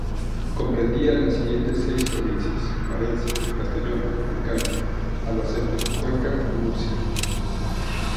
Comprendía las siguientes seis provincias: Valencia, Castellón, Alicante, Albacete, Cuenca y Murcia.